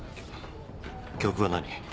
曲は何？